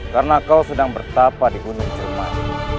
karena kau sedang bertapa di gunung jerman